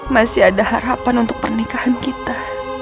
masih ada harapan untuk pernikahan kita